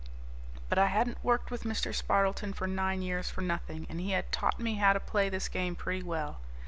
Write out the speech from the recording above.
But I hadn't worked with Mr. Spardleton for nine years for nothing, and he had taught me how to play this game pretty well.